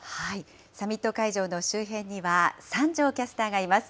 サミット会場の周辺には、三條キャスターがいます。